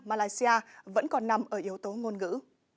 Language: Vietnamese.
malaysia vẫn còn nằm ở yếu tố ngôn ngữ